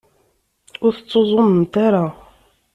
Ur tettuẓumemt ara.